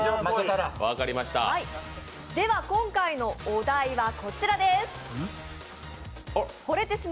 今回のお題はこちらです。